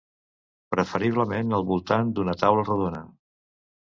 Preferiblement al voltant d'una taula rodona.